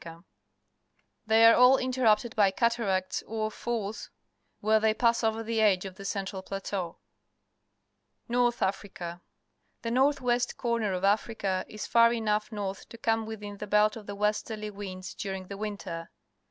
225 226 PUBLIC SCHOOL GEOGRAPHY They are all intermpted by cataracts or falls where they pass over the edge of the central plateau. North Africa. — The north west corner of Africa is far enough north to come within the belt of the westerly winds during the winter.